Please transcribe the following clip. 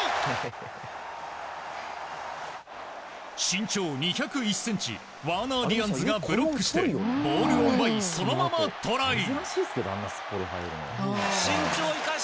身長２０１ｃｍワーナー・ディアンズがブロックして、ボールを奪いそのままトライ。